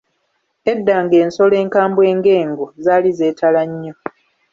Edda ng’ensolo enkambwe ng’engo zaali zeetala nnyo.